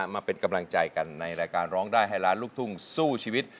มาเป็นกำลังใจกันในรายการร้องได้ให้ล้านลูกทุ่งสู้ชีวิต